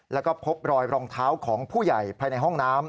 แล้วก็พบรอยรองเท้าของผู้ใหญ่ภายในห้องน้ำ